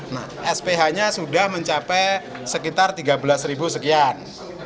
nah sph nya sudah mencapai sekitar tiga belas ribu sekian